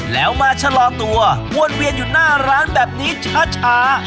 แล้วมาชะลอตัววนเวียนอยู่หน้าร้านแบบนี้ช้า